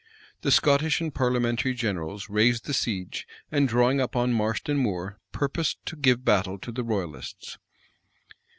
The Scottish and parliamentary generals raised the siege, and drawing up on Marston Moor, purposed to give battle to the royalists.